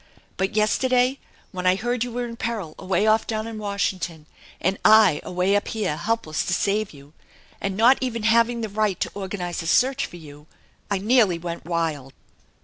But yesterday when I heard you were in peril away off down in Washington and I away up here helpless to save you, a^d not even having the right to organize a search for you, I nearly went wild!